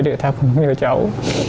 để thăm những cháu